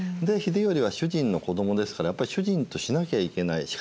で秀頼は主人の子どもですからやっぱり主人としなきゃいけない。